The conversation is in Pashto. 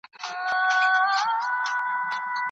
که د فلاني کورته داخله سوې، نو طلاقه يې.